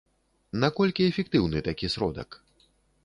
Наколькі эфектыўны такі сродак?